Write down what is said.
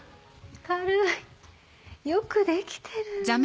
軽いよく出来てる。